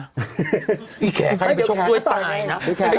ไอ้แข็วค่ะเดี๋ยวชกด้วยตายนะ